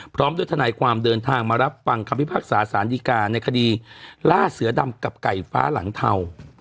พร้อมด้วยทนายความเดินทางมารับฟังคำพิพากษาสารดีการในคดีล่าเสือดำกับไก่ฟ้าหลังเทา